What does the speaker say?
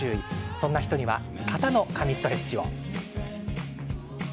そんな人には肩の神ストレッチを。